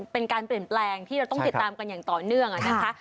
เป็นการเปลี่ยนแปลงที่เราต้องติดตามกันอย่างต่อเนื่องนะคะ